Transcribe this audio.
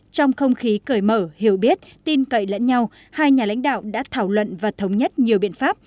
trong không khí cởi mở hiểu biết tin cậy lẫn nhau hai nhà lãnh đạo đã thảo luận và thống nhất nhiều biện pháp